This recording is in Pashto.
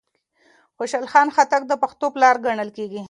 خوشحال خان خټک د پښتو پلار ګڼل کېږي